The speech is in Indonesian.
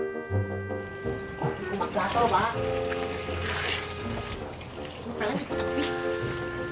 bapak tanya lagi ke ibu